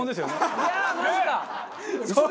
いやあマジか！